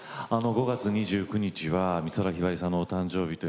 ５月２９日は美空ひばりさんの誕生日。